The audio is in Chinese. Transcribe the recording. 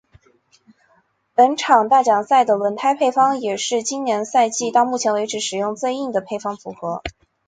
本场大奖赛的轮胎配方也是今年赛季到目前为止使用最硬的配方组合。